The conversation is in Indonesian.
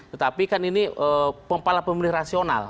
tetapi kan ini pembalap pemilih rasional